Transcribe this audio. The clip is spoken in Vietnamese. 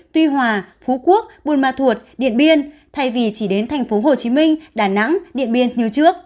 tuy hòa phú quốc buôn ma thuột điện biên thay vì chỉ đến tp hcm đà nẵng điện biên như trước